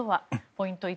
ポイント